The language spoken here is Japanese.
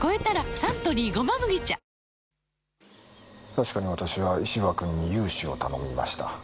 確かに私は石場君に融資を頼みました。